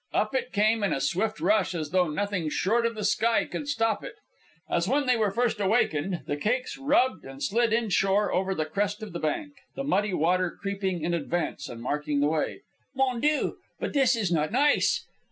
Up it came in a swift rush, as though nothing short of the sky could stop it. As when they were first awakened, the cakes rubbed and slid inshore over the crest of the bank, the muddy water creeping in advance and marking the way. "Mon Dieu! But this is not nice!"